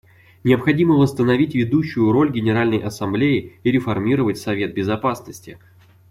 Необходимо восстановить ведущую роль Генеральной Ассамблеи и реформировать Совет Безопасности.